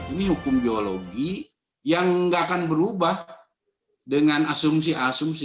ini hukum geologi yang nggak akan berubah dengan asumsi asumsi